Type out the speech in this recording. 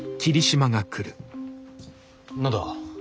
何だ？